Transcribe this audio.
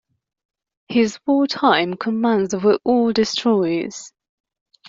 His wartime commands were all destroyers.